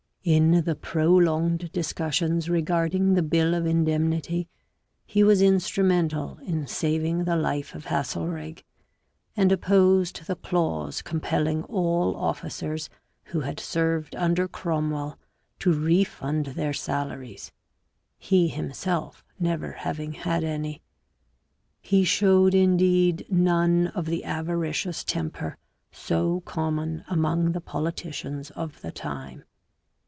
In the prolonged discussions regarding the Bill of Indemnity he was instrumental in saving the life of Haselrig, and opposed the clause compelling all officers who had served under Cromwell to refund their salaries, he himself never having had any. He showed in deed none of the avaricious temper so common among the politicians of the time.